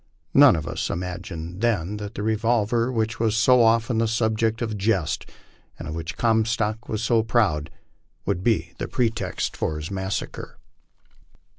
None of us imagined then that the revolver which was BO often the subject of jest, and of which Comstock was so proud, would bo the pretext for his massacre.